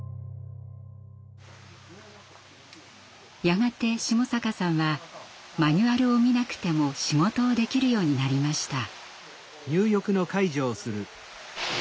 やがて下坂さんはマニュアルを見なくても仕事をできるようになりました。